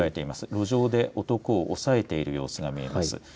路上で男を押さえている様子が見えます。